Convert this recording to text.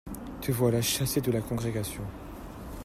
Te voilà chassé de la Congrégation.